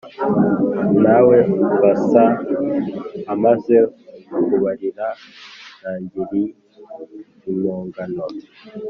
ntawebasa amaze kubarira ntangiriy-impongano